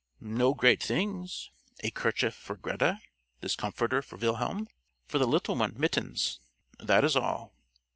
"No great things; a kerchief for Greta, this comforter for Wilhelm, for the little one, mittens. That is all."